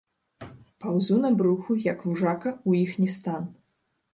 Паўзу на бруху, як вужака, у іхні стан.